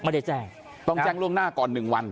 ไม่ได้แจ้งต้องแจ้งล่วงหน้าก่อนหนึ่งวัน